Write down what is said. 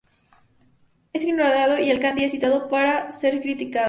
Al-Farabi es ignorado y Al-Kindi es citado sólo para ser criticado.